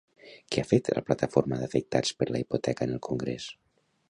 Què ha fet la Plataforma d'Afectats per la Hipoteca en el congrés?